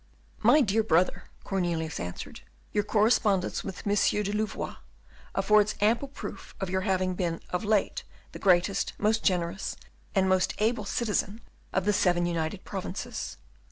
"My dear brother," Cornelius answered, "your correspondence with M. de Louvois affords ample proof of your having been of late the greatest, most generous, and most able citizen of the Seven United Provinces.